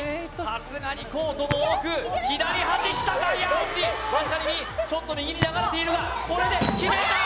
さすがにコートの奥左端きたかいや惜しいわずかに右ちょっと右に流れているがこれで決めた！